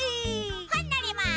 ほんのります！